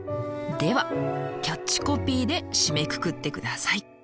ではキャッチコピーで締めくくって下さい。